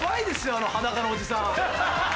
あの裸のおじさん。